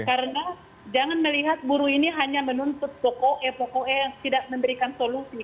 karena jangan melihat buruh ini hanya menuntut pokoknya pokoknya tidak memberikan solusi